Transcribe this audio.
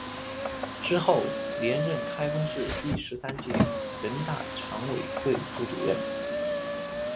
之后连任开封市第十三届人大常委会副主任。